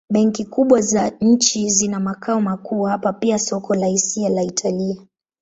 Benki kubwa za nchi zina makao makuu hapa pia soko la hisa la Italia.